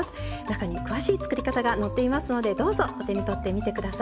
中に詳しい作り方が載っていますのでどうぞお手に取って見て下さい。